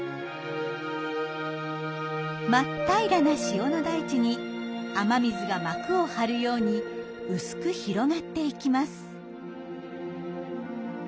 真っ平らな塩の大地に雨水が膜を張るように薄く広がっていきます。